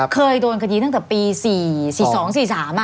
เคยโดนคดีตั้งแต่ปี๔๔๒๔๓อ่ะ